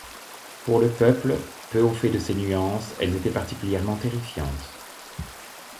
Pour le peuple, peu au fait de ces nuances, elles étaient particulièrement terrifiantes.